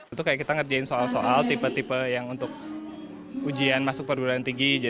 itu kayak kita ngerjain soal soal tipe tipe yang untuk ujian masuk perguruan tinggi